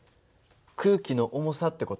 空気の重さって事？